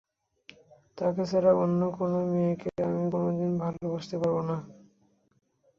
তাকে ছাড়া অন্য কোনো মেয়েকে আমি কোনো দিন ভালোবাসতে পারব না।